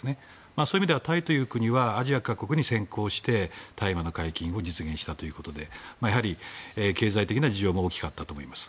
そういう意味ではタイという国はアジア各国に先行して大麻の解禁に実現したということでやはり経済的な事情が大きかったと思います。